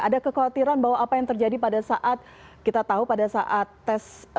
ada kekhawatiran bahwa apa yang terjadi pada saat kita tahu pada saat tes